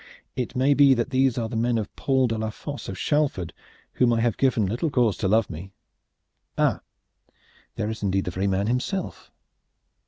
"It may be that these are the men of Paul de la Fosse of Shalford, whom I have given little cause to love me. Ah! there is indeed the very man himself."